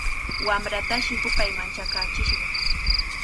Wamratashi hupay manchakaachishqa.